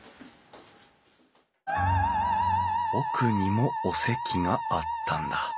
奥にもお席があったんだ。